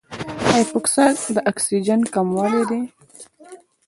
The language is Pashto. د هایپوکسیا د اکسیجن کموالی دی.